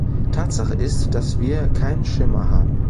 Tatsache ist, dass wir keinen Schimmer haben.